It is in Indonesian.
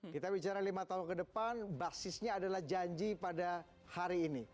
kita bicara lima tahun ke depan basisnya adalah janji pada hari ini